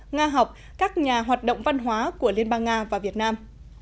nga học các nhà hoạt động văn hóa của liên bang nga và việt nam